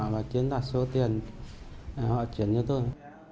và chuyển đoạt số tiền họ chuyển cho tôi